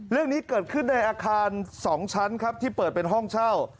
เรื่องนี้เกิดขึ้นในอาคาร๒ชั้นครับที่เปิดเป็นห้องเช่า